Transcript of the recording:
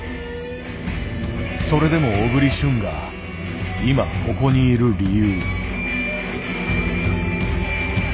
それでも小栗旬が今ここにいる理由。